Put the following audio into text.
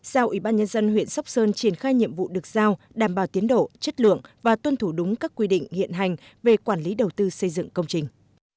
sau ubnd huyện sóc sơn triển khai nhiệm vụ được giao đảm bảo tiến đổ chất lượng và tuân thủ đúng các quy định hiện hành về quản lý đầu tư xây dựng công trình